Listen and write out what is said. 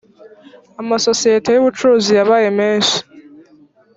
amasosiyete y’ubucuruzi yabaye menshi